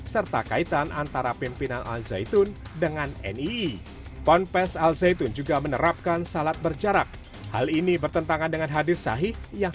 serta kaitan antara pimpinan al zaitun dengan nii